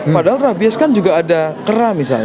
padahal rabies kan juga ada kera misalnya